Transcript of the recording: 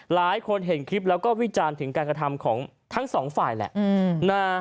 หลายคนเห็นคลิปแล้วก็วิจารณ์ถึงการกระทำของทั้งสองฝ่ายแหละ